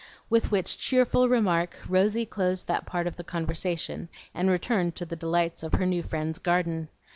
With which cheerful remark Rosy closed that part of the conversation and returned to the delights of her new friend's garden.